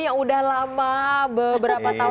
yang udah lama beberapa tahun